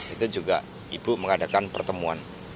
itu juga ibu mengadakan pertemuan